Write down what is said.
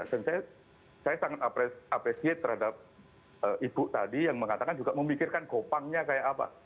dan saya sangat apresiate terhadap ibu tadi yang mengatakan juga memikirkan gopangnya kayak apa